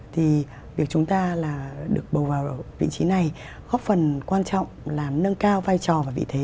thì việc chúng ta là được bầu vào vị trí này góp phần quan trọng là nâng cao vai trò và vị thế